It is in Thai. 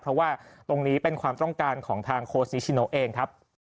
เพราะว่าตรงนี้เป็นความต้องการของทางโค้ชนิชิโนเองครับ